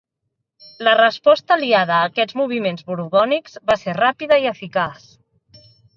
La resposta aliada a aquests moviments borbònics va ser ràpida i eficaç.